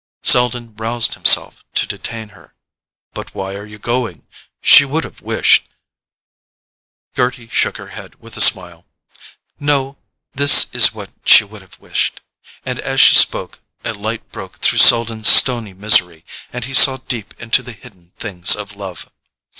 Selden roused himself to detain her. "But why are you going? She would have wished——" Gerty shook her head with a smile. "No: this is what she would have wished——" and as she spoke a light broke through Selden's stony misery, and he saw deep into the hidden things of love.